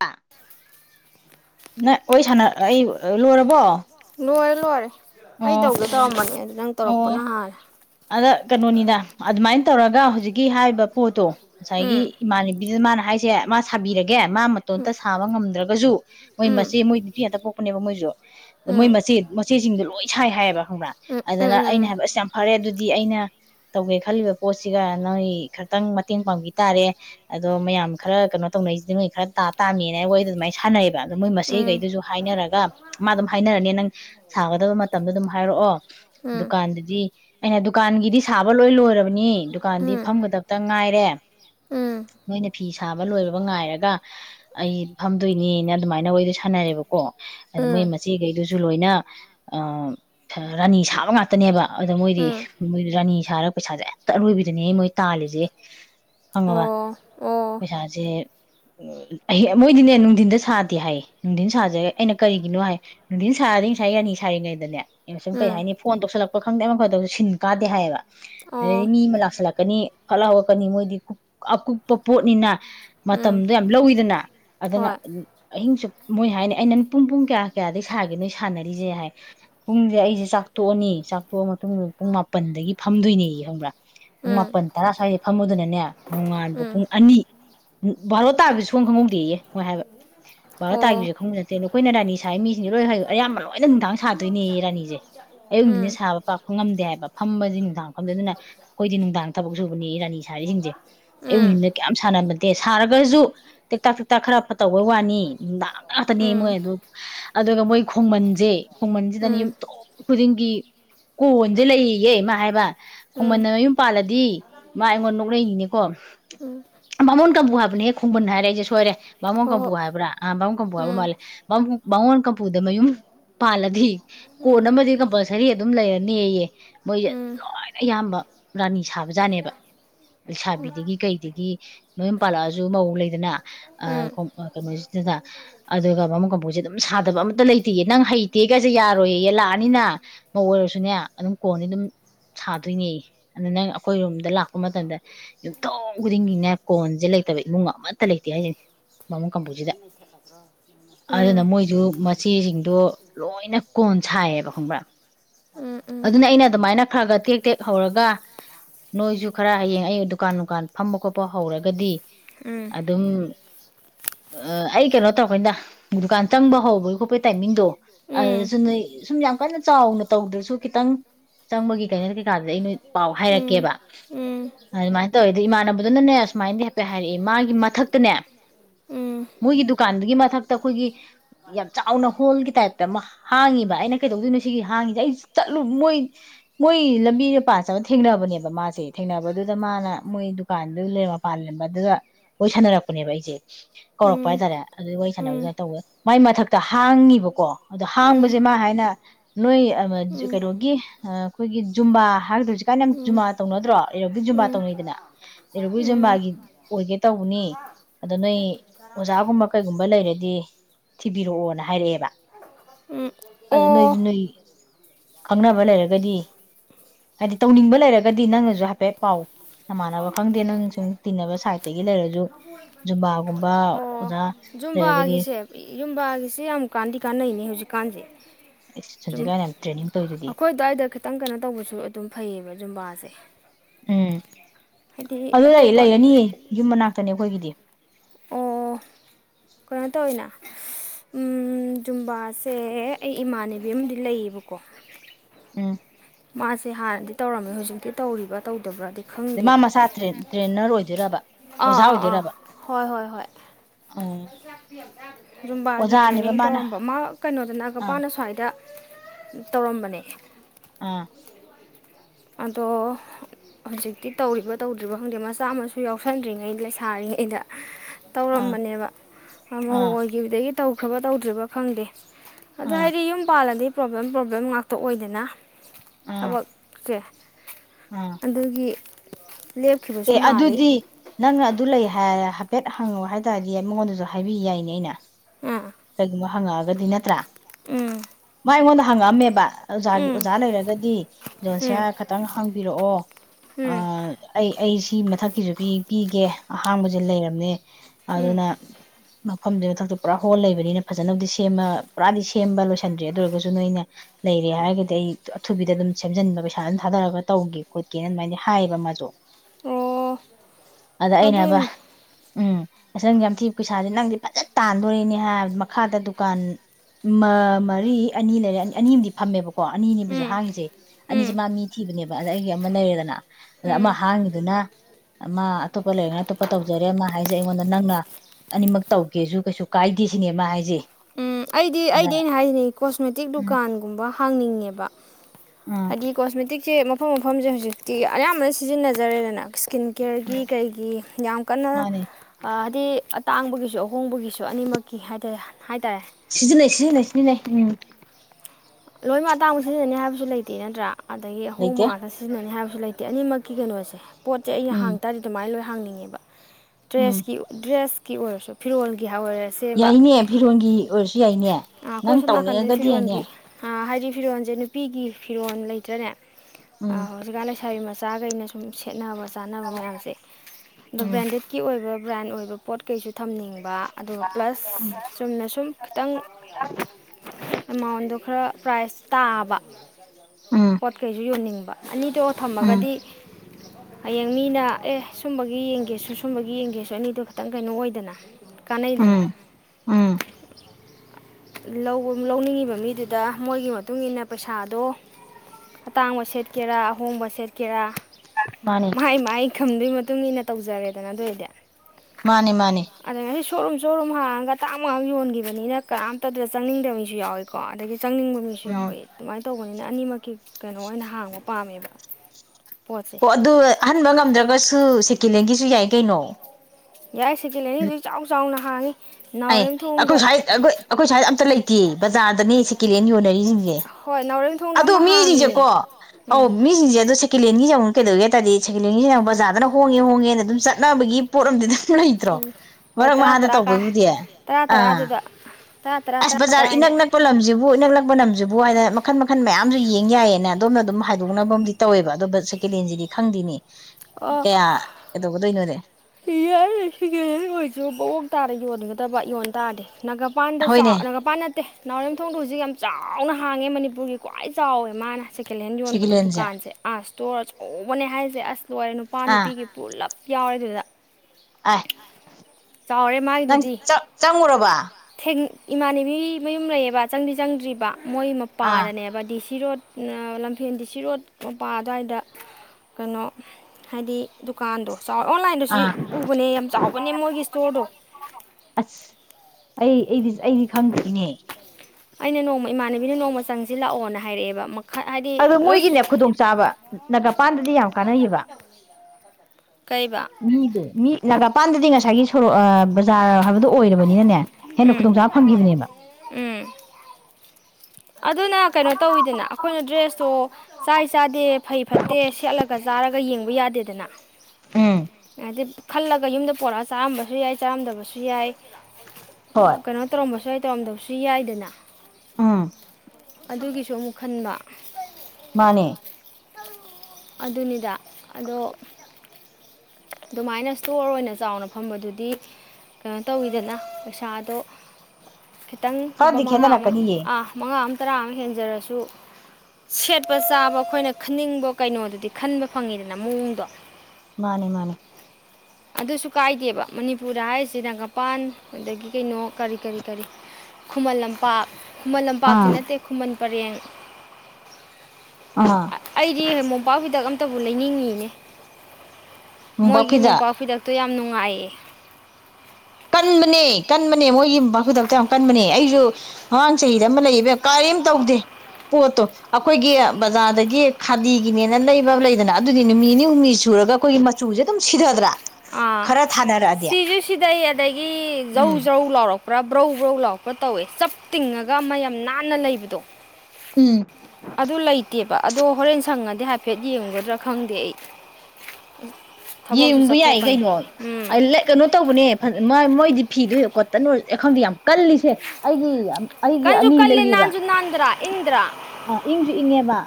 ꯑ ꯅ ꯑꯣꯏ ꯁꯥꯅ ꯑꯩ ꯂꯣꯏꯔꯕꯣ ꯂꯣꯏꯔꯦ ꯂꫭꯏꯔꯦ ꯑꯣ ꯑꯣ ꯍꯥꯜꯂꯦ ꯑꯗ ꯀꯩꯅꯣꯅꯤꯗ ꯑꯗꯨꯃꯥꯏꯅ ꯇꯧꯔꯒ ꯍꯧꯖꯤꯛꯀꯤ ꯍꯥꯏꯔꯤꯕ ꯄꯣꯠꯇꯣ ꯉꯁꯥꯏꯒꯤ ꯎꯝ ꯏꯃꯥꯟꯅꯕꯤꯗꯨꯅ ꯃꯥꯅ ꯍꯥꯏꯁꯦ ꯃꯥ ꯊꯥꯕꯤꯔ ꯒꯦ ꯃꯥ ꯃꯇꯣꯝꯇ ꯁꯥꯕ ꯉꯝꯗ꯭ꯔꯒꯁꯨ ꯃꯣꯏ ꯎꯝ ꯃꯆꯦ ꯃꯣꯏ ꯅꯨꯄꯤ ꯉꯥꯛꯇ ꯄꯣꯛꯄꯅꯦꯕ ꯃꯣꯏꯁꯨ ꯑ ꯃꯣꯏ ꯎꯝ ꯃꯆꯦ ꯃꯆꯦꯁꯤꯡꯗꯨ ꯂꯣꯏ ꯁꯥꯏ ꯍꯥꯏꯌꯦꯕ ꯈꯪꯕ꯭ꯔꯥ ꯎꯝ ꯑꯗꯨꯅ ꯑꯩꯅ ꯍꯥꯏꯕ ꯑꯁ ꯌꯥꯝ ꯐꯔꯦ ꯑꯗꯨ ꯗꯤ ꯑꯩꯅ ꯇꯧꯒꯦ ꯈꯜꯂꯤꯕ ꯄꯣꯠꯁꯤꯒ ꯅꯣꯏ ꯈꯇꯪ ꯃꯇꯦꯡ ꯄꯥꯡꯕꯤ ꯇꯥꯔꯦ ꯑꯗꯣ ꯃꯌꯥꯝ ꯈꯔ ꯀꯩꯅꯣ ꯇꯧꯅꯩꯁꯤꯗꯩ ꯅꯣꯏ ꯈꯔ ꯇꯥ ꯇꯥꯃꯤꯅ ꯑꯩꯅ ꯋꯥꯔꯤꯗꫭ ꯑꯗꯨꯃꯥꯏꯅ ꯁꯥꯟꯅꯩ ꯕ ꯑꯗꯨ ꯃꯣꯏ ꯃꯆꯦ ꯎꯝ ꯎꯝ ꯒꯩꯗꯨꯁꯨ ꯍꯥꯏꯅꯔꯒ ꯃꯥ ꯑꯗꯨꯝ ꯍꯥꯏꯅꯔꯅꯦ ꯅꯪ ꯁꯥꯒꯗꯕ ꯃ ꯃꯇꯝꯗ ꯑꯗꯨꯝ ꯍꯥꯏꯔꯛꯑꯣ ꯎꯝ ꯗꯨꯀꯥꯟꯗꯨꯗꯤ ꯑꯩꯅ ꯗꯨꯀꯥꯟꯒꯤꯗꯤ ꯁꯥꯕ ꯂꯣꯏ ꯂꯣꯏꯔꯕꯅꯤ ꯗꯨꯀꯥꯟꯗꯤ ꯐꯝꯒꯗꯕꯇ ꯉꯥꯏꯔꯦ ꯎꯝ ꯅꯣꯏꯅ ꯐꯤ ꯁꯥꯕ ꯂꯣꯏꯔꯕ ꯉꯥꯏꯔꯒ ꯑꯩ ꯐꯝꯗꯣꯏꯅꯦꯅ ꯑꯗꯨꯃꯥꯏꯅ ꯋꯥꯔꯤꯗꯨ ꯁꯥꯟꯅꯔꯦꯕꯀꯣ ꯎꯝ ꯑꯗ ꯃꯣꯏ ꯎꯝ ꯃꯆꯤꯒꯩꯗꯨꯁꯨ ꯂꯣꯏꯅ ꯑ [unintelligible] ꯔꯥꯅꯤ ꯁꯥꯕ ꯉꯥꯛꯇꯅꯦꯕ ꯑꯗ ꯃꯣꯏꯗꯤ ꯎꯝ ꯃꯣꯏ ꯔꯥꯅꯤ ꯁꯥꯔꯒ ꯄꯩꯁꯥꯁꯦ ꯍꯦꯛꯇ ꯑꯔꯣꯏꯕꯤꯗꯅꯦ ꯃꯣꯏ ꯇꯥꯜꯂꯤꯁꯦ ꯈꯪꯉꯕ ꯑꯣ ꯑꯣ ꯄꯩꯁꯥꯁꯦ ꯎ ꯑꯍꯤ ꯃꯣꯏꯗꯤꯅꯦ ꯅꯨꯡꯊꯤꯟꯗ ꯁꯥꯗꯦ ꯍꯥꯏꯌꯦ ꯅꯨꯡꯊꯤꯟ ꯁꯥꯖꯦ ꯑꯩꯅ ꯀꯔꯤꯒꯤꯅꯣ ꯍꯥꯏ ꯅꯨꯡꯊꯤꯟ ꯁꯥꯔꯗꯤ ꯉꯁꯥꯏ ꯌꯥꯅꯤ ꯁꯥꯔꯤꯉꯩꯗꯅꯦ ꯑꯩꯅ ꯁꯨꯝ ꯀꯩ ꯎꯝ ꯍꯥꯏꯅꯤ ꯐꯣꯟ ꯇꯧꯁꯜꯂꯛꯄ ꯈꯪꯗꯦ ꯑꯃ ꯈꯔ ꯇꯩꯁꯜꯂꯛ ꯁꯤꯟ ꯀꯥꯗꯦ ꯍꯥꯏꯌꯦꯕ ꯑꯣ ꯑꯗꯩꯗꯤ ꯃꯤ ꯑꯃ ꯂꯥꯛꯁꯜꯂꯛꯀꯅꯤ ꯐꯠꯂꯥꯎ ꯍꯧꯒꯠꯀꯅꯤ ꯃꯣꯏꯗꯤ ꯑꯀꯨꯞꯄ ꯄꯣꯠꯅꯤꯅ ꯎꯝ ꯃꯇꯝꯗꯣ ꯌꯥꯝ ꯂꯧꯋꯤꯗꯅ ꯍꯣꯏ ꯑꯗꯨꯅ ꯑꯍꯤꯡꯁꯨꯛ ꯃꯣꯏ ꯍꯥꯏꯅꯤ ꯑꯩꯅ ꯄꯨꯡ ꯄꯨꯡ ꯀꯌꯥ ꯀꯌꯥꯗꯒꯤ ꯁꯥꯒꯦ ꯅꯣꯏ ꯁꯥꯟꯅꯔꯤꯁꯦ ꯍꯥꯏ ꯄꯨꯡꯁꯦ ꯑꯩꯁꯦ ꯆꯥꯛꯇꯣꯛꯑꯅꯤ ꯆꯥꯛꯇꯣꯛꯑ ꯃꯇꯨꯡꯗ ꯄꯨꯡ ꯃꯥꯄꯟꯗꯒꯤ ꯐꯝꯗꯣꯏꯅꯦꯌꯦ ꯈꯪꯕ꯭ꯔꯥ ꯄꯨꯡ ꯎꯝ ꯃꯥꯄꯟ ꯇꯔꯥ ꯁ꯭ꯋꯥꯏꯗꯩ ꯐꯝꯕꯗꯨꯅꯅꯦ ꯅꯣꯡꯉꯥꯟꯕꯧ ꯎꯝ ꯄꯨꯡ ꯑꯅꯤ ꯃꯨ ꯚꯥꯔꯣ ꯇꯥꯕꯁꯦ ꯁꯨꯡꯈꯪ ꯈꯪꯍꯧꯗꯦꯌꯦ ꯃꯣꯏ ꯍꯥꯏꯕ ꯚꯥꯔꯣ ꯑꯣ ꯇꯥꯈꯤꯕꯁꯦ ꯈꯪꯕ ꯖꯥꯠ ꯅꯠꯇꯦ ꯑꯈꯣꯏꯅ ꯔꯥꯅꯤ ꯁꯥꯏ ꯃꯤꯁꯤꯅꯦ ꯂꯣꯏ ꯍꯥꯏꯑꫭ ꯑꯌꯥꯝꯕ ꯂꯣꯏꯅ ꯅꯨꯡꯗꯥꯡ ꯁꯥꯗꯣꯏꯅꯦ ꯔꯥꯅꯤꯁꯦ ꯎꯝ ꯎꯝ ꯑꯌꯨꯛꯅꯤꯅꯦ ꯁꯥꯕ ꯄꯥꯛꯄ ꯉꯝꯗꯦ ꯍꯥꯏꯕ ꯐꯝꯁꯦ ꯅꯨꯡꯗꯥꯡ ꯐꯝꯗ ꯑꯗꯨꯅ ꯑꯩꯈꯣꯏꯗꯤ ꯅꯨꯡꯗꯥꯡ ꯊꯕꯛ ꯁꯨꯕꯅꯤ ꯔꯥꯅꯤ ꯁꯥꯔꯤꯁꯤꯡꯁꯦ ꯑꯌꯨꯛ ꯅ ꯀꯌꯥꯝ ꯁꯥꯅꯗꯦ ꯁꯥꯔꯒꯁꯨ ꯇꯦꯛꯇꯥꯛ ꯇꯦꯛꯇꯥꯛ ꯈꯔ ꯐ ꯇꯧꯕꯩ ꯋꯥꯅꯤ ꯅꯨꯡꯗꯥꯡꯗ ꯉꯥꯛꯇꯅꯦ ꯃꯣꯏ ꯑꯗꯨ ꯑꯗꯨꯒ ꯃꯣꯏ ꯈꯣꯡꯃꯟꯁꯦ ꯈꯣꯡꯃꯟꯁꯤꯗꯅ ꯎꯝ ꯎꯝ ꯌꯨꯝꯊꯣꯡ ꯈꯨꯗꯤꯡꯒꯤ ꯀꯣꯟꯁꯦ ꯂꯩꯌꯦ ꯏꯃ ꯍꯥꯏꯕ ꯎꯝ ꯈꯨꯡꯃꯟꯅ ꯌꯨꯝ ꯄꯥꯜꯂꯗꯤ ꯗꯤ ꯃꯥ ꯑꯩꯉꯣꯟ ꯅꯣꯛꯂꯛꯅꯤꯅꯦꯀꯣ ꯎꯝ ꯃꯕꯥꯃꯣꯟ ꯀꯥꯡꯕꯨ ꯍꯥꯏꯕꯅꯦ ꯍꯦꯛ ꯈꯣꯡꯕꯟ ꯍꯥꯏꯔ ꯑꯩꯁꯦ ꯁꯣꯏꯔꯦ ꯕꯥꯃꯣꯟ ꯍꯣ ꯀꯝꯄꯨ ꯍꯥꯏꯕ꯭ꯔꯥ ꯑꯥ ꯕꯥꯃꯨꯡ ꯀꯝꯄꯨ ꯍꯣ ꯍꯥꯏꯕ ꯎꯝ ꯃꯥꯂꯦꯨꯡꯣꯟ ꯄꯗꯃꯌꯨꯝ ꯄꯥꯜꯂꯗꯤ ꯀꯣꯟ ꯎꯝ ꯑꯃꯗꯤ ꯀꯝꯄꯜꯁꯔꯤ ꯑꯗꯨꯝ ꯂꯩꯔꯅꯦꯌꯦ ꯃꯣꯏꯁꯦ ꯎꯝ ꯂꯣꯏꯅ ꯑꯌꯥꯝꯕ ꯔꯥꯅꯤ ꯁꯥꯕ ꯖꯥꯠꯅꯦꯕ ꯂꯩ ꯁꯥꯕꯤꯗꯒꯤ ꯀꯩꯗꯒꯤ ꯃꯌꯨꯝ ꯄꯥꯜꯂꯛꯑꯁꯨ ꯃꯧ ꯂꯩꯗꯅ ꯎꯝ ꯎꯝ ꯎꯝ ꯀꯩꯅꯣꯁꯤꯗꯅ ꯑꯗꯨꯒ ꯃꯃꯨꯡ ꯀꯝꯄꯣꯁꯤꯠ ꯁꯥꯗꯕ ꯑꯃꯇ ꯂꯩꯇꯦꯌꯦ ꯅꯪ ꯍꯩ ꯦ ꯌꯥꯔꯣꯏꯌꯦꯌꯦ ꯂꯥꯛꯑꯅꯤꯅ ꯃ ꯑꯣꯏꯔꯁꯨꯅꯦ ꯑꯗꯨꯝ ꯀꯣꯟꯗꯤ ꯑꯗꯨꯝ ꯁꯥꯗꯣꯏꯅꯦ ꯑꯗꯨ ꯅꯪ ꯑꯩꯈꯣꯏ ꯔꯨꯝꯗ ꯂꯥꯛꯄ ꯃꯇꯝꯗ ꯌꯨꯝꯊꯣꯡ ꯈꯨꯗꯤꯡꯒꯤꯅꯦ ꯀꯣꯟꯁꯦ ꯂꯩꯇꯕ ꯏꯃꯨꯡ ꯑꯃꯠꯇ ꯂꯩꯇꯦ ꯍꯥꯏꯁꯤꯅꯤ ꯀꯝꯄꯧꯁꯤꯗ ꯑꯗꯨꯅ ꯎꯝ ꯃꯣꯏꯅ ꯀꯣꯟ ꯁꯥꯏꯌꯦꯕ ꯈꯪꯕ꯭ꯔꯥ ꯎꯝ ꯎꯝ ꯎꯝ ꯑꯗꯨꯅ ꯑꯩꯅ ꯑꯗꯨꯃꯥꯏꯅ ꯈꯔ ꯈ ꯇꯦꯛ ꯇꯦꯛ ꯍꯧꯔꯒ ꯅꯣꯏꯁꯨ ꯈꯔ ꯍꯌꯦꯡ ꯑꯩ ꯗꯨꯀꯥꯟ ꯅꯨꯡꯀꯥꯟ ꯐꯝꯕ ꯈꯣꯠꯄ ꯍꯧꯔꯒꯗꯤ ꯑꯗꯨꯝ ꯑꯩ ꯀꯩꯅꯣ ꯇꯧꯔꯛꯀꯅꯤꯗ ꯗꯨꯀꯥꯟ ꯆꯪꯕ ꯍꯧꯕꯒꯤ ꯈꯣꯠꯄꯒꯤ ꯇꯥꯏꯃꯤꯡꯗꯣ ꯑꯗꯨꯁꯨ ꯅꯣꯏ ꯁꯨꯝ ꯌꯥꯝ ꯀꯟꯅ ꯆꯥꯎꯅ ꯇꯧꯗ꯭ꯔꯁꯨ ꯈꯤꯇꯪ ꯆꯪꯕꯒꯤ ꯀꯩꯅꯣ ꯀꯩꯀꯥꯗꯨꯗꯤ ꯑꯩ ꯅꯣꯏ ꯄꯥꯎ ꯎꯝ ꯍꯥꯏꯔꯛꯀꯦꯕ ꯑꯗꯨꯃꯥꯏꯅ ꯇꯧꯋꯦꯗꯤ ꯏꯃꯥꯟꯅꯕꯗꯣ ꯅꯟꯅ ꯃꯥꯏꯟꯗꯤ ꯀꯩ ꯍꯥꯏꯔꯛꯏꯦ ꯃꯥꯒꯤ ꯃꯊꯛꯇꯅꯦ ꯃꯣꯏꯒꯤ ꯗꯨꯀꯥꯟꯗꯨꯒꯤ ꯃꯊꯛꯇ ꯑꯩꯈꯣꯏꯒꯤ ꯌꯥꯝ ꯆꯥꯎꯅ ꯍꯣꯜꯒꯤ ꯇꯥꯏꯞ ꯍꯥꯡꯉꯤꯕ ꯑꯩꯅ ꯀꯩꯗꯧꯗꯣꯏꯅꯣ ꯁꯤꯒꯤ ꯍꯥꯡꯉꯤꯁꯦ ꯑꯩ ꯆꯠꯂꯨ ꯃꯣꯏ ꯃꯣꯏ ꯂꯝꯕꯤꯗ ꯄꯥꯟ ꯐꯖꯕ ꯊꯦꯡꯅꯕꯅꯦꯕ ꯃꯥꯁꯦ ꯊꯦꯡꯅꯕꯗꯨꯗ ꯃꯥꯅ ꯃꯣꯏ ꯗꯨꯀꯥꯟꯗꯨ ꯂꯩꯔ ꯄꯥꯜꯂꯕ ꯑꯗꯨꯒ ꯋꯥꯔꯤ ꯁꯥꯟꯅꯔꯛꯄꯅꯦꯕ ꯑꯩꯁꯦ ꯀꯧꯔꯛꯄ ꯎꯝ ꯍꯥꯏꯇꯥꯔꯦ ꯑꯗꯨ ꯋꯥꯔꯤ ꯎꯝ ꯎꯝ ꯁꯥꯟꯅꯕꯗꯨꯅ ꯇꯧꯕꯋ ꯃꯥꯏ ꯃꯊꯛꯇ ꯍꯥꯡꯉꯤꯕꯀꯣ ꯑꯗꯣ ꯎꯝ ꯍꯥꯡꯕꯁꯦ ꯃꯥ ꯍꯥꯏꯅ ꯅꯣꯏ ꯎꯝ ꯀꯩꯅꯣꯒꯤ ꯑꯩꯈꯣꯏꯒꯤ ꯖꯨꯝꯕꯥ ꯍꯥꯏꯗꯣꯏ ꯍꯧꯖꯤꯛꯀꯥꯟ ꯌꯥꯝ ꯎꯝ ꯖꯃꯥ ꯇꯧꯅꯗ꯭ꯔꯣ ꯏꯔꯧꯕꯕꯤ ꯌꯖꯨꯝꯕꯥ ꯎꯝ ꯇꯧꯅꯩꯗꯅ ꯏꯔꯧꯕꯤ ꯎꯝ ꯌꯖꯨꯝꯕꯥꯒꯤ ꯑꯣꯏꯒꯦ ꯇꯧꯕꯅꯤ ꯑꯗ ꯅꯣꯏ ꯑꯣꯖꯥꯒꯨꯝꯕ ꯀꯩꯒꯨꯝꯕ ꯂꯩꯔꯗꯤ ꯊꯤꯕꯤꯔꯛꯑꯣꯅ ꯍꯥꯏꯔꯛꯑꯦꯕ ꯎꯝ ꯑ ꯅꯣꯏ ꯑꯣ ꯅ ꯈꯪꯅꯕ ꯂꯩꯔꯒꯗꯤ ꯍꯥꯏꯗꯤ ꯇꯧꯅꯤꯡꯕ ꯂꯩꯔꯒꯗꯤ ꯅꯪꯅꯁꯨ ꯍꯥꯏꯐꯦꯠ ꯄꯥꯎ ꯅꯃꯥꯟꯅꯕ ꯈꯪꯗꯦ ꯅꯪ ꯁꯨꯝ ꯇꯤꯟꯅꯕ ꯁꯥꯏꯠꯇꯒꯤ ꯂꯩꯔꯁꯨ ꯖꯨꯝꯕꯥꯒꯨꯝꯕ ꯑꯣꯖꯥ ꯂꯩꯔꯒꯗꯤ ꯌꯨꯝꯕꯥꯒꯤꯁꯦ ꯌꯨꯝꯕꯥꯒꯤꯁꯦ ꯌꯥꯝ ꯀꯥꯟꯅꯗꯤ ꯀꯥꯟꯅꯩꯅꯦ ꯍꯧꯖꯤꯛ ꯀꯥꯟꯖꯤꯦ ꯑꯦꯁ ꯍꯧꯖꯤꯛꯀꯥꯟ ꯌꯥꯝ ꯇ꯭ꯔꯦꯅꯤꯡ ꯇꯧꯔꯤꯗꯨꯗꯤ ꯑꯩꯈꯣꯏ ꯑꯗꯨ꯭ꯋꯥꯏꯗ ꯈꯤꯇꯪ ꯀꯩꯅꯣ ꯇꯧꯕꯁꯨ ꯑꯗꯨꯝ ꯐꯩꯌꯦꯕ ꯖꯨꯝꯕꯥꯁꯦ ꯎꯝ ꯍꯥꯏꯗꯤ ꯑꯗꯨ ꯂꯩꯌꯦ ꯑꯇꯣꯞꯄ ꯂꯩ ꯑꯅꯤ ꯌꯨꯝ ꯃꯅꯥꯛꯇꯅꯦ ꯑꯣꯏꯒꯤꯗꯤ ꯀꯩꯅꯣꯇꯣ ꯑꯣꯏꯅ ꯖꯨꯝꯕꯥꯁꯦ ꯑꯩ ꯏꯃꯥꯟꯅꯕꯤ ꯑꯃꯗꯤ ꯂꯩꯌꯦꯕꯀꯣ ꯎꯝ ꯃꯥꯁꯦ ꯍꯥꯟꯅꯗꯤ ꯇꯧꯔꯝꯃꯦ ꯍꯧꯖꯤꯛꯇꯤ ꯇꯧꯔꯤꯕꯥ ꯇꯧꯗꯕ꯭ꯔꯥ ꯑꯗꯩ ꯈꯪꯗꯦ ꯃꯥ ꯃꯁꯥ ꯇ꯭ꯔꯦꯅꯔ ꯑꯣꯏꯗꯣꯏꯔꯕ ꯑꯥ ꯑꯣꯖꯥ ꯑꯥ ꯑꯥ ꯑꯣꯏꯗꯣꯏꯔꯕ ꯍꯣꯏ ꯍꯣꯏ ꯍꯣꯏ ꯎꯝ ꯑꯗꯨꯨꯝꯕꯥꯒꯤ ꯑꯣꯖꯥꯅꯦꯕ ꯇ꯭ꯔꯦꯅꯤꯡ ꯃꯥꯅ ꯇꯧꯔꯝꯕ ꯃꯥ ꯑꯥ ꯀꯩꯅꯣꯗꯅꯒꯄꯥꯅ ꯁ꯭ꯋꯥꯏꯗ ꯇꯧꯔꯝꯕꯅꯦ ꯑꯥ ꯑꯗꯣ ꯍꯧꯖꯤꯛꯇꯤ ꯇꯧꯔꯤꯕ ꯇꯧꯗ꯭ꯔꯤꯕ ꯈꯪꯗꯦ ꯃꯆꯥ ꯃꯨ ꯌꯥꯎꯁꯟꯗ꯭ꯔꯤꯉꯩ ꯂꯩꯁꯥꯔꯤꯉꯩꯗ ꯑꯥ ꯇꯧꯔꯝꯕꯅꯦꯕ ꯑꯃ ꯑꯥ ꯑꯣꯏꯈꯤꯕꯗꯒꯤ ꯇꯧꯈ꯭ꯔꯕ ꯇꯧꯗ꯭ꯔꯤꯕ ꯐꯪꯗꯦ ꯑꯗꯣ ꯑꯥ ꯍꯥꯏꯗꯤ ꯌꯨꯝ ꯄꯥꯂꯗꯤ ꯄ꯭ꯔꯣꯕ꯭ꯂꯦꯝ ꯄ꯭ꯔꯣꯕ꯭ꯂꯦꯝ ꯉꯥꯛꯇ ꯑꯣꯏꯗꯅ ꯑꯥ ꯊꯕꯛ ꯀꯦ ꯑꯥ ꯑꯗꯨꯒꯤ ꯂꯦꯞꯈꯤꯕꯁꯨ ꯑꯦ ꯃꯥꯜꯂꯤ ꯑꯗꯨꯗꯤ ꯅꯪꯅ ꯑꯗꯨ ꯂꯩꯌꯦ ꯍꯥꯏꯐꯦꯠ ꯍꯪꯉꯨ ꯍꯥꯏꯇꯥꯔꯗꯤ ꯃꯉꯣꯟꯗꯁꯨ ꯍꯥꯏꯕꯤ ꯌꯥꯏꯅꯦ ꯑꯩꯅ ꯑꯥ ꯀꯩꯒꯨꯝꯕ ꯍꯪꯉꯛꯑꯒꯗꯤ ꯅꯠꯇ꯭ꯔꯥ ꯎꯝ ꯃꯥ ꯑꯩꯉꯣꯟꯗ ꯍꯪꯉꯛꯑꯝꯃꯦꯕ ꯑꯣꯖꯥꯒꯤ ꯎꯝ ꯑꯣꯖꯥ ꯂꯩꯔꯒꯗꯤ ꯖꯣꯟꯁꯤꯌꯥ ꯎꯝ ꯈꯈꯤꯇꯪ ꯍꯪꯕꯤꯔꯛꯑꯣ ꯎꯝ ꯑꯩ ꯑꯩ ꯁꯤ ꯃꯊꯛꯀꯤꯁꯨ ꯄꯤꯒꯦ ꯑꯍꯥꯡꯕꯁꯦ ꯂꯩꯔꯕꯝꯅꯦ ꯎꯝ ꯑꯗꯨꯅ ꯃꯐꯝꯗꯨ ꯃꯊꯛꯇ ꯄꯨꯔꯥ ꯍꯣꯜ ꯂꯩꯕꯅꯤꯅ ꯐꯖꯅꯕꯨꯗꯤ ꯁꯦꯝꯃ ꯄꯨꯔꯥꯗꯤ ꯁꯦꯝꯕ ꯂꯣꯏꯁꯟꯗ꯭ꯔꯦ ꯑꯗꯨ ꯑꯣꯏꯔꯒꯁꯨ ꯅꯣꯏꯅ ꯂꯩꯔꯦ ꯍꯥꯏꯔꯒꯗꯤ ꯑꯩ ꯑꯊꯨꯕꯤꯗ ꯑꯗꯨꯝ ꯁꯦꯝꯖꯤꯟꯕ ꯄꯩꯁꯥ ꯑꯗꯨꯝ ꯊꯥꯗꯔꯒ ꯇꯧꯒꯦ ꯈꯣꯠꯀꯦꯅ ꯑꯗꯨꯃꯥꯏꯅ ꯍꯥꯏꯌꯦꯕ ꯃꯥꯁꯨ ꯑꯣ ꯑꯗ ꯑꯩꯅ ꯍꯥꯏꯕ ꯑꯗꯨꯅꯤ ꯎꯝ ꯑꯁꯪ ꯌꯥꯝꯊꯤꯕ ꯄꯩꯁꯥꯥꯁꯦ ꯅꯪꯗꯤ ꯐꯖ ꯇꯥꯟ ꯃꯣꯔꯦꯅꯦ ꯍꯥꯏꯕ ꯃꯈꯥꯗ ꯗꯨꯀꯥꯟ ꯃꯔꯤ ꯑꯅꯤ ꯂꯩꯔꯦ ꯑ ꯑꯅꯤ ꯑ ꯐꯝꯃꯦꯕꯀꯣ ꯑꯅꯤꯅꯤꯕꯨꯁꯨꯛ ꯎꯝ ꯍꯥꯡꯉꯤꯁꯦ ꯎꯝ ꯑꯅꯤꯁꯦ ꯃꯥ ꯃꯤ ꯊꯤꯕꯅꯦꯕ ꯑꯗ ꯑꯩꯒꯤ ꯑꯃ ꯂꯩꯔꯦꯗꯅ ꯑꯗ ꯎꯝ ꯑꯃ ꯍꯥꯡꯉꯤꯗꯨꯅ ꯑꯃ ꯑꯇꯣꯞꯄ ꯂꯩꯔꯦꯒꯅ ꯑꯇꯣꯞꯄ ꯇꯧꯖꯔꯦ ꯑꯃ ꯍꯥꯏꯖꯩ ꯑꯩꯉꯣꯟꯗ ꯅꯪꯅ ꯑꯅꯤꯃꯛ ꯇꯧꯒꯦꯁꯨ ꯀꯩꯁꯨ ꯀꯥꯏꯗꯦꯁꯤꯅꯦ ꯃꯥ ꯍꯥꯏꯁꯦ ꯎꯝ ꯑꯩꯗꯤ ꯑꯗ ꯑꯩꯗꯤ ꯑꯩꯅ ꯍꯥꯏꯖꯅꯤꯡꯩ ꯀꯣꯁꯃꯦꯇꯤꯛ ꯎꯝ ꯗꯨꯀꯥꯟꯒꯨꯝꯕ ꯍꯥꯡꯅꯤꯡꯉꯦꯕ ꯎꯝ ꯍꯥꯏꯗꯤ ꯀꯣꯁꯃꯦꯇꯤꯛ ꯁꯤ ꯃꯐꯝ ꯃꯐꯝꯁꯦ ꯍꯧꯖꯤꯛꯇꯤ ꯑꯌꯥꯝꯕꯅ ꯁꯤꯖꯤꯟꯅꯖꯔꯦꯗꯅ ꯏꯁ꯭ꯀꯤꯟ ꯎꯝ ꯀꯦꯌꯔꯒꯤ ꯀꯩꯒꯤ ꯌꯥꯝ ꯀꯟꯅ ꯃꯥꯅꯦ ꯍꯥꯏꯗꯤ ꯑꯇꯥꯡꯕꯒꯤꯁꯨ ꯑꯍꯣꯡꯕꯒꯤꯁꯨ ꯑꯅꯤꯃꯛꯀꯤ ꯍꯥꯏꯇꯥꯔꯦ ꯍꯥꯏꯇꯥꯔꯦ ꯁꯤꯖꯤꯂ ꯁꯤꯖꯤꯂ ꯁꯤꯖꯤ ꯎꯝ ꯂꯣꯏꯃꯛ ꯑꯇꯥꯡꯕ ꯁꯤꯖꯤꯟꯅꯅꯤ ꯍꯥꯏꯕꯁꯨ ꯂꯩꯇꯦ ꯅꯠꯇ꯭ꯔꯥ ꯑꯗꯒꯤ ꯑꯍꯣꯡꯕ ꯂꯩꯇꯦ ꯉꯥꯛꯇ ꯁꯤꯖꯤꯟꯅꯅꯤ ꯍꯥꯏꯕ ꯁꯨ ꯂꯩꯇꯦ ꯑꯅꯤꯃꯛꯀꯤ ꯀꯩꯅꯣꯁꯦ ꯄꯣꯠꯁꯦ ꯑꯩꯅ ꯎꯝ ꯍꯕꯇꯥꯔꯗꯤ ꯑꯗꯨꯃꯥꯏꯅꯣꯏ ꯍꯥꯡꯅꯤꯡꯉꯦꯕ ꯎꯝ ꯗ꯭ꯔꯦꯁꯀꯤ ꯗ꯭ꯔꯦꯁ ꯀꯤ ꯑꯣꯏꯔꯁꯨ ꯐꯤꯔꯣꯜꯒꯤ ꯑꯣꯏꯔ ꯁꯦꯝꯕ ꯌꯥꯏꯅꯦ ꯐꯤꯔꯣꯟꯒꯤ ꯑꯣꯏꯔꯁꯨ ꯌꯥꯏꯅꯦ ꯅꯪ ꯇꯧꯅꯤꯡꯉꯒꯗꯤ ꯌꯥꯏꯅꯦ ꯑꯥ ꯍꯥꯏꯗꯤ ꯐꯤꯔꯣꯟꯜꯁꯦ ꯅꯨꯄꯤꯒꯤ ꯐꯤꯔꯣꯜ ꯂꯩꯇ꯭ꯔꯅꯦ ꯑ ꯎꯝ ꯍꯧꯖꯤꯛꯀꯥꯟ ꯂꯩꯁꯥꯕꯤ ꯃꯆꯥꯒꯩꯅꯁꯨ ꯎꯝ ꯁꯦꯠꯅꯕꯁꯦ ꯆꯥꯅꯕ ꯃꯌꯥꯝꯁꯦ ꯑꯗꯣ ꯎꯝ ꯕ꯭ꯔꯦꯟꯗꯦꯠꯀꯤ ꯑꯣꯏꯕ ꯕ꯭ꯔꯥꯟ ꯑꯣꯏꯕ ꯄꯣꯠ ꯀꯩꯁꯨ ꯊꯝꯅꯤꯡꯕ ꯑꯗꯨꯒ ꯄ꯭ꯂꯁ ꯆꯨꯝꯅ ꯁꯨꯝ ꯈꯤꯇꯪ ꯑꯦꯃꯥꯎꯟꯗꯣ ꯈꯔ ꯄ꯭ꯔꯥꯏꯁ ꯇꯥꯕ ꯎꯝ ꯄꯣꯠ ꯀꯩꯁꯨ ꯌꯣꯟꯅꯤꯡ ꯑꯅꯤ [unintelligible] ꯎꯝ ꯊꯝꯃꯒꯗꯤ ꯍꯌꯦꯡ ꯃꯤꯅ ꯑꯦ ꯁꯨꯝꯕꯒꯤ ꯌꯦꯡꯒꯦꯁꯨ ꯁꯨꯝꯕꯒꯤ ꯌꯦꯡꯒꯦꯁꯨ ꯑꯅꯤꯗꯣ ꯈꯤꯇꯪ ꯀꯩꯅꯣ ꯑꯣꯏꯗꯅ ꯀꯥꯅꯩꯗꯅ ꯎꯝ ꯎꯝ ꯂꯩꯕ ꯂꯧꯅꯤꯡꯉꯤꯕ ꯃꯤꯗꯨꯗ ꯃꯣꯏꯒꯤ ꯃꯇꯨꯡꯏꯟꯅ ꯄꯩꯁꯥꯗꯣ ꯑꯇꯥꯡꯕ ꯁꯦꯠꯀꯦꯔꯥ ꯑꯍꯣꯡꯕ ꯁꯦꯠꯀꯦꯔꯥ ꯃꯥꯅꯦ ꯃꯥꯥꯏ ꯃꯥꯥꯏ ꯈꯝꯗꯨꯏ ꯃ ꯃꯇꯨꯡ ꯏꯟꯅ ꯇꯧꯖꯔꯦꯗꯅ ꯑꯗꯨ ꯑꯣꯏꯔꯗꯤ ꯃꯥꯅꯦ ꯃꯥꯅꯤ ꯃꯥꯅꯦ ꯃꯥꯅꯤ ꯑꯗꯩ ꯉꯁꯤ ꯁꯣꯔꯨꯝ ꯁꯣꯔꯨꯝ ꯍꯥꯡꯉꯒ ꯑꯇꯥꯡꯕ ꯉꯥꯛ ꯌꯣꯟꯒꯤꯕꯅꯤꯅ ꯀꯥ ꯇ ꯑꯗꯨꯗ ꯆꯪꯅꯤꯡꯗꯕ ꯃꯤꯁꯨ ꯌꯥꯎꯋꯤꯀꯣ ꯑꯗꯒꯤ ꯆꯪꯅꯤꯡꯕ ꯃꯤꯁꯨ ꯎꯝ ꯌꯥꯎꯋꯤ ꯑꯗꯨꯃꯥꯏꯅ ꯇꯧꯕꯅꯤꯅ ꯑꯅꯤꯃꯛꯀꯤ ꯀꯩꯅꯣ ꯑꯣꯏꯅ ꯍꯥꯡꯕ ꯄꯥꯝꯃꯦꯕ ꯄꯣꯠꯁꯦ ꯑꯣ ꯑꯗꯨ ꯑꯍꯟꯕ ꯉꯝꯗ꯭ꯔꯒꯁꯨ ꯁꯦꯀꯦꯜ ꯍꯦꯟꯒꯤꯁꯨ ꯌꯥꯏ ꯀꯩꯅꯣ ꯌꯥꯏ ꯁꯦꯀꯦꯜ ꯍꯦꯟꯒꯤꯁꯨ ꯍꯧꯖꯤꯛ ꯆꯥꯎꯅ ꯍꯥꯡꯉꯤ ꯑꯥꯏ ꯅꯥꯎꯔꯦꯝ ꯑꯈꯣꯏ ꯊꯣꯡꯗ ꯁ꯭ꯋꯥꯏ ꯑꯈꯣꯏ ꯁꯥꯏꯗ ꯑꯝ ꯇ ꯂꯩꯇꯦ ꯕꯖꯥꯔꯗꯅꯤ ꯁꯦꯀꯦꯜ ꯍꯦꯟ ꯌꫭꯟꯅꯔꯤꯁꯤꯡꯁꯦ ꯍꯣꯏ ꯅꯥꯎꯔꯦꯝ ꯊꯣꯡꯗ ꯑꯗꯨ ꯑꯃ ꯃꯤꯁꯤꯡꯁꯦꯀꯣ ꯍꯥꯡꯉꯤ ꯑꯧ ꯎꯝ ꯃꯤꯁꯤꯡꯁꯦ ꯑꯗꯨ ꯁꯦꯀꯦꯟꯒꯤꯁꯤ‌ ꯑꯃꯨꯛ ꯀꯩꯗꯧꯒꯦ ꯍꯥꯏꯇꯥꯔꯗꯤ ꯁꯦꯀꯦꯟꯒꯤꯁꯤꯅ ꯕꯥꯖꯥꯔꯗꯅ ꯍꯣꯡꯉꯦ ꯍꯣꯡꯉꯦ ꯑꯗꯨꯝ ꯆꯠꯅꯕꯒꯤ ꯄꫭꯠ ꯑꯝꯗꯤ ꯗꯨꯝ ꯂꯩꯇ꯭ꯔꯣ ꯍꯣꯏ ꯃꯔꯛ ꯇꯔꯥ ꯃꯍꯥꯗ ꯇꯔꯥ ꯀꯥꯏ ꯇꯧꯕꯕꯨꯗꯤ ꯇꯔꯥ ꯑꯥ ꯇꯔꯥꯗꯨꯗ ꯇꯔꯥ ꯇꯔꯥ ꯑꯁ ꯇꯔꯥ ꯇꯔꯥ ꯕꯖꯥꯔ ꯍꯥꯏꯅ ꯏꯅꯛ ꯅꯛꯄ ꯂꯝꯁꯤꯕꯨ ꯏꯅꯛ ꯅꯛꯄ ꯂꯝꯁꯤꯕꯨ ꯍꯥꯏꯗꯅ ꯃꯈꯟ ꯃꯈꯟ ꯃꯌꯥꯝꯁꯨ ꯌꯦꯡ ꯌꯥꯏꯌꯦꯅ ꯑꯗꯣꯝꯅ ꯑꯗꯨꯝ ꯍꯥꯏꯗꯣꯛꯅꯕ ꯑꯃꯗꯤ ꯇꯧꯋꯦꯕ ꯑꯗꫭ ꯁꯦꯀꯦꯟ ꯍꯦꯟꯁꯤꯗꯤ ꯈꯪꯗꯦꯅꯦ ꯀꯌꯥ ꯀꯗꯧꯒꯗꯣꯏꯅꯣꯅꯦ ꯏ ꯌꯥꯏ ꯁꯤꯒꯦꯈꯣꯏꯁꯨ ꯕꯋꯣꯛ ꯇꯥꯔ ꯌꯣꯟꯒꯗꯕ ꯌꯣꯟ ꯇꯥꯔꯗꯤ ꯅꯒꯥꯄꯥꯟꯗ ꯆ ꯍꯣꯏꯅꯦ ꯒꯄꯥꯟ ꯅꯠꯇꯦ ꯅꯥꯎꯔꯦꯝꯊꯣꯡꯗ ꯍꯧꯖꯤꯛ ꯌꯥꯝ ꯆꯥꯎꯅ ꯍꯥꯡꯉꯦ ꯃꯅꯤꯄꯨꯔꯒꯤ ꯈ꯭ꯋꯥꯏ ꯆꯥꯎꯋꯦ ꯃꯥꯅ ꯀꯦꯂꯍꯦꯟ ꯌꯣꯟꯕꯗ ꯁꯦꯀꯦꯂꯦꯟꯁꯦ ꯗꯨꯀꯥꯟꯁꯦ ꯑꯁ ꯇꯧ ꯑꯆꯧꯕꯅꯦ ꯍꯥꯏꯁꯦ ꯑꯁ ꯂꯣꯏꯔꯦ ꯅꯨꯄꯥ ꯅꯨꯄꯤꯒꯤ ꯄꯨꯜꯂꯞ ꯌꯥꯎꯔꯦꯗꯨꯗ ꯑ ꯆꯥꯎꯔꯦ ꯅꯪ ꯃꯥꯒꯤꯗꯨꯗꯤ ꯆꯪꯉꯨꯔꯕ ꯊꯦꯡ ꯏꯃꯥꯟꯅꯕꯤ ꯃꯌꯨꯝ ꯂꯩꯌꯦꯕ ꯆꯪꯕꯤ ꯆꯪꯗ꯭ꯔꯤꯕ ꯃꯣꯏ ꯑꯥ ꯃꯄꯥꯗꯅꯦꯕ ꯗꯤ ꯁꯤ ꯁꯤꯔꯣꯠ ꯂꯝꯐꯦꯟꯗꯤ ꯁꯤꯔꯣꯠ ꯃꯄꯥ ꯑꯗꯨꯗ꯭ꯋꯥꯏꯗ ꯀꯩꯅꯣ ꯍꯥꯏꯗꯤ ꯗꯨꯀꯥꯟꯗꯣ ꯆꯥꯎ ꯑꯣꯟꯂꯥꯏꯟꯗꯁꯨ ꯑꯥ ꯎꯕꯅꯦ ꯌꯥꯝ ꯆꯥꯎꯕꯅꯦ ꯃꯣꯏꯒꯤ ꯏꯁꯇꯣꯔꯗꯣ ꯑꯁ ꯑꯩ ꯑꯩꯗꯤ ꯑꯩꯗꯤ ꯈꯪꯗꯔꯤꯅꯦ ꯑꯩꯅ ꯅꯣꯡꯃ ꯏꯃꯥꯟꯅꯕꯤꯅ ꯅꯣꯡꯃ ꯆꯪꯁꯤ ꯂꯥꯛꯑꯣꯅ ꯍꯥꯏꯔꯛꯑꯦꯕ ꯍꯥꯏꯗꯤ ꯑꯗꯣ ꯂꯣꯏ ꯃꯣꯏꯒꯤꯅꯦ ꯈꯨꯗꯣꯡꯆꯥꯥꯕ ꯒꯥꯄꯥꯟꯗꯗꯤ ꯌꯥꯝ ꯀꯥꯟꯅꯩꯌꯦꯕ ꯀꯩꯕ ꯃꯤꯗꯣ ꯃꯄꯥꯟꯗꯗꯤ ꯉꯁꯥꯏꯒꯤ ꯁꯣꯔꯣꯛ ꯕꯖꯥꯔ ꯍꯥꯏꯕꯗꯣ ꯑꯣꯏꯔꯕꯅꯤꯅꯅꯦ ꯍꯦꯟꯅ ꯎꯝ ꯈꯨꯗꯣꯡꯆꯥꯥꯕ ꯐꯪꯈꯤꯕꯅꯦꯕ ꯎꯝ ꯑꯗꯨꯅ ꯀꯩꯅꯣ ꯇꯧꯋꯤꯗꯅ ꯑꯩꯈꯣꯏꯅ ꯗ꯭ꯔꯦꯁꯇꯣ ꯆꯥꯏ ꯆꯗꯦ ꯐꯩ ꯐꯠꯇꯦ ꯁꯦꯠꯂꯒ ꯆꯥꯔꯒ ꯌꯦꯡꯕ ꯌꯥꯗꯦꯗ ꯑꯗꯨꯗꯅ ꯎꯝ ꯍꯥꯏꯗꯤ ꯈꯜꯂꯒ ꯌꯨꯝꯗ ꯄꯣꯔꯛꯑꯒ ꯆꯥꯔꯝꯕꯁꯨ ꯌꯥꯏ ꯆꯥꯔꯝꯗꯕꯁꯨ ꯌꯥꯏ ꯍꯣꯏ ꯀꯩꯅꯣ ꯇꯔꯣꯝꯕꯁ ꯍꯥꯏ ꯇꯣꯝꯗꯧꯁꯨ ꯌꯥꯏꯗꯅ ꯑꯥ ꯑꯗꯨꯒꯤꯁꯨ ꯑꯃꯨꯛ ꯈꯟꯕ ꯃꯥꯅꯦ ꯑꯗꯨꯅꯤꯗ ꯑꯗꯣ ꯑꯗꯨꯃꯥꯏꯅ ꯏꯁꯇꯣꯔ ꯑꯣꯏꯅ ꯆꯥꯎꯅ ꯐꯝꯕꯗꯨꯗꯤ ꯀꯩꯅꯣ ꯇꯧꯋꯤꯗꯅ ꯄꯩꯁꯥꯗꯣ ꯈꯤꯇꯪ ꯂꯨꯄꯥ ꯈꯔꯗꯤ ꯃꯉꯥ ꯑꯃ ꯈꯦꯠꯅꯔꯛꯀꯅꯤꯌꯦ ꯑꯥ ꯃꯉꯥ ꯑꯃ ꯇꯔꯥ ꯍꯦꯟꯖꯔꯁꯨ ꯁꯦꯠꯄ ꯆꯥꯕ ꯑꯩꯈꯣꯏꯅ ꯈꯟꯅꯤꯡꯕ ꯀꯩꯅꯣꯗꯨꯗꯤ ꯈꯟꯕ ꯐꯪꯉꯤꯗꯅ ꯃꯑꯣꯡꯗꯣ ꯃꯥꯅꯦ ꯃꯥꯅꯦ ꯑꯗꯨꯁꯨ ꯀꯥꯏꯗꯦꯕ ꯃꯅꯤꯄꯨꯔꯗ ꯍꯥꯏꯔꯤꯁꯤꯅꯒꯄꯥꯟ ꯑꯗꯒꯤ ꯀꯩꯅꯣ ꯀꯔꯤ ꯀꯔꯤ ꯀꯔꯤ ꯈꯨꯃꯟ ꯂꯝꯄꯥꯛ ꯈꯨꯃꯟ ꯂꯝꯄꯥꯛꯇꯤ ꯑꯥ ꯅꯠꯇꯦ ꯈꯨꯃꯟ ꯄꯔꯦꯡ ꯑꯥ ꯑꯩꯗꯤ ꯃꯣꯄꯥꯛ ꯍꯗ ꯑꯝ ꯇꯕꯨ ꯂꯩꯅꯤꯡꯉꯤꯅꯦ ꯄꯤꯤꯗꯥ ꯑꯗꯨ ꯌꯥꯝ ꯅꯨꯡꯉꯥꯏꯌꯦ ꯀꯟꯕꯅꯦ ꯀꯟꯕꯅꯦ ꯃꯣꯏꯒꯤꯨꯗꯛꯇ ꯌꯥꯝ ꯀꯟꯕꯅꯦ ꯑꯩꯁꯨ ꯍꯃꯥꯡ ꯆꯍꯤꯗ ꯑꯃ ꯂꯩꯌꯦꯕ ꯀꯔꯤꯝ ꯇꯧꯗꯦ ꯄꯣꯠꯇꯣ ꯑꯩꯈꯣꯏꯒꯤ ꯕꯖꯥꯔꯗꯒꯤ ꯈꯥꯗꯤꯒꯤꯅꯦꯅ ꯂꯩꯕ ꯂꯩꯗꯅ ꯑꯗꯨꯗꯤ ꯅꯨꯃꯤꯠ ꯅꯤꯅꯤ ꯍꯨꯝꯅꯤ ꯁꯨꯔꯒ ꯑꯩꯈꯣꯏꯒꯤ ꯃꯆꯨꯁꯦ ꯑꯗꯨꯝ ꯁꯤꯊꯗ꯭ꯔꯥ ꯑ ꯈꯔ ꯊꯥꯅꯔꯛꯑꯗꯤ ꯁꯤꯖ ꯁꯤꯗ ꯑꯇꯩ ꯑꯗꯒꯤ ꯖꯧ ꯎꯝ ꯖꯧ ꯂꯥꯎꯔꯛꯄ꯭ꯔꯥ ꯕ꯭ꯔꯧ ꯕ꯭ꯔꯧ ꯂꯥꯎꯔꯛꯄ꯭ꯔꯥ ꯇꯧꯋꯦ ꯆꯞ ꯇꯤꯡꯉꯒ ꯑꯃ ꯌꯥꯝ ꯅꯥꯟꯅ ꯂꯩꯕꯗꯣ ꯎꯝ ꯑꯗꯨ ꯂꯩꯇꯦꯕ ꯑꯗꯣ ꯍꯣꯔꯦꯟ ꯁꯪꯉꯗꯤ ꯍꯥꯏꯐꯦꯠ ꯌꯦꯡꯒꯗ꯭ꯔꯥ ꯈꯪꯗꯦ ꯑꯩ ꯊꯕꯛꯁꯨ ꯌꯦꯡꯕ ꯌꯥꯏ ꯆꯠꯊꯣꯛꯀꯅꯤ ꯀꯩꯅꯣ ꯎꯝ ꯀꯩꯅꯣ ꯇꯧꯕꯅꯦ ꯃꯣꯏꯗꯤ ꯐꯤꯗ ꯀꯣꯠꯇꯅꯨꯦ ꯈꯪꯗꯦ ꯌꯥꯝ ꯀꯜꯂꯤꯁꯦ ꯑꯩꯒꯤ ꯑꯩꯒꯤ ꯑꯅꯤ ꯂꯩꯌꯦꯕ ꯇ꯭ꯔꯥ ꯑꯥ ꯏꯪꯁꯨ ꯏꯪꯉꯦꯕ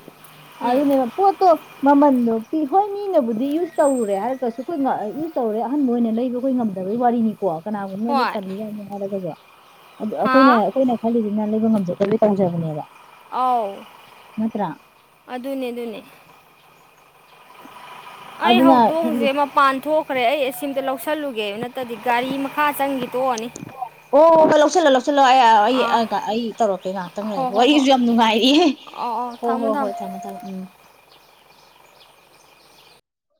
ꯎꯝ ꯑꯗꯨꯅꯦꯕ ꯄꯣꯠꯇꯣ ꯃꯃꯟꯗꯣ ꯄꯤ ꯍꯣꯏ ꯃꯤꯅꯕꯨꯗꯤ ꯌꯨꯁ ꯇꯧꯔꯨꯔꯦ ꯍꯥꯏꯔꯒꯁꯨ ꯑꯩꯈꯣꯏ ꯌꯨꯁ ꯇꯧꯔꯨꯔꯦ ꯑꯍꯟꯕ ꯑꯣꯏꯅ ꯂꯩꯕ ꯑꯩꯈꯣꯏ ꯉꯝꯗꯕꯒꯤ ꯋꯥꯔꯤꯅꯤ ꯀꯣ ꯀꯅꯥꯒꯨꯝꯕꯅꯗꯤ ꯍꯣꯏ ꯇꯜꯂꯤ ꯀꯥꯏꯅ ꯍꯥꯏꯔꯒꯁꯨ ꯑꯗꯨ ꯍꯥ ꯑꯩꯈꯣꯏꯅꯦ ꯑꯩꯈꯣꯏꯅ ꯈꯜꯂꯤꯁꯤꯅ ꯂꯩꯕ ꯉꯝꯖꯗꯕ ꯇꯧꯖꯕꯅꯦꯕ ꯑꯥꯎ ꯅꯠꯇ꯭ꯔꯥ ꯑꯗꯨꯅꯦ ꯑꯗꯨꯅꯦ ꯑꯩ ꯑꯗꯨꯅ ꯊꯝ ꯍꯧꯗꯣꯡꯁꯦ ꯃꯄꯥꯟ ꯊꯣꯛꯈ꯭ꯔꯦ ꯑꯩ ꯑꯁꯤ ꯑꯝꯇ ꯂꯧꯁꯜꯂꯨꯒꯦ ꯅꯠꯇ꯭ꯔꯗꯤ ꯒꯥꯔꯤ ꯃꯈꯥ ꯆꯪꯈꯤ ꯇꯣꯛꯑꯅꯤ ꯑꯣꯣꯏ ꯂꯧꯁꯤꯜꯂꯣ ꯂꯧꯁꯤꯜꯂꯣ ꯑꯩ ꯑꯥ ꯑꯩ ꯇꯧꯔꯛꯀꯦ ꯉꯥꯏꯍꯥꯛꯇꯪꯅꯦ ꯍꯣ ꯍꯣ ꯍꯣ ꯋꯥꯔꯤꯁꯨ ꯌꯥꯝ ꯅꯨꯡꯉꯥꯏꯔꯤ ꯑꯧ ꯑꯧ ꯍꯣ ꯍꯣ ꯊꯝꯃꯣ ꯍꯣꯏ ꯊꯝꯃꯃꯦ ꯊꯝꯃꯣ ꯎꯝ